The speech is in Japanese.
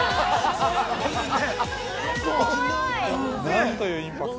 ◆なんというインパクト。